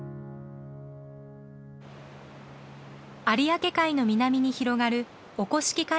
有明海の南に広がる御輿来